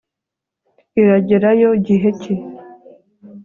iragerayo gihe ki